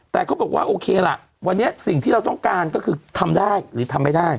แต่เขาบอกว่าโอเคล่ะวันนี้สิ่งที่เราต้องการก็คือทำได้หรือทำไม่ได้